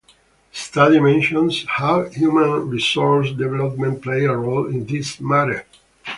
The study mentions how human resources development play a role in this matter.